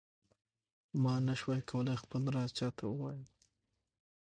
ما نه شو کولای خپل راز چاته ووایم.